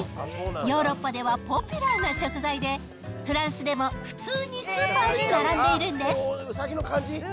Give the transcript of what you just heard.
ヨーロッパではポピュラーな食材で、フランスでも普通にスーパーに並んでいるんです。